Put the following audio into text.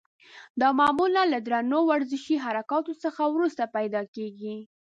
دا معمولا له درنو ورزشي حرکاتو څخه وروسته پیدا کېږي.